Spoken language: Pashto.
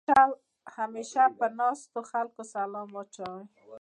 همېشه په ناستو خلکو سلام اچوې.